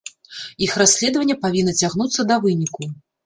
Іх расследаванне павінна цягнуцца да выніку.